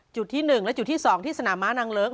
จุดที่๑และจุดที่๒ที่สนามม้านางเลิ้ง